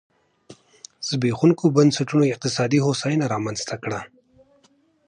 زبېښونکو بنسټونو اقتصادي هوساینه رامنځته کړه.